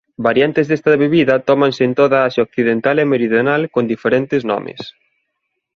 Variantes desta bebida tómanse en toda Asia occidental e meridional con diferentes nomes.